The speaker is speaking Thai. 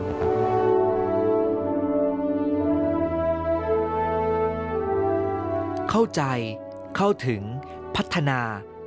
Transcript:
เข้าใจเข้าถึงพัฒนา